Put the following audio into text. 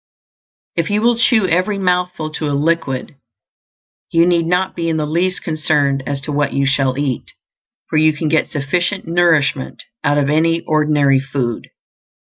If you will chew every mouthful to a liquid, you need not be in the least concerned as to what you shall eat, for you can get sufficient nourishment out of any ordinary food.